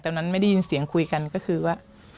ตอนนั้นไม่ได้ยินเสียงคุยกันก็คือว่า